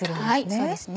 そうですね